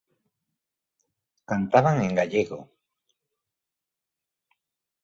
Cantaban en gallego.